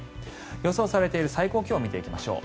予想されている最高気温を見ていきましょう。